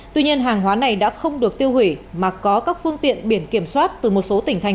tuy nhiên hàng hóa này đã không được tiêu hủy mà có các phương tiện biển kiểm soát từ một số tỉnh thành